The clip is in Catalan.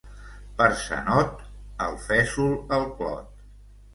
Per Sant Ot, el fesol al clot.